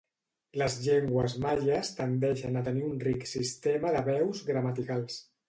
Les llengües maies tendeixen a tenir un ric sistema de veus gramaticals.